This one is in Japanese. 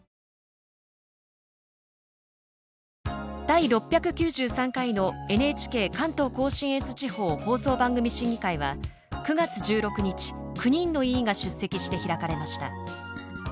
第６９３回のＮＨＫ関東甲信越地方放送番組審議会は９月１６日９人の委員が出席して開かれました。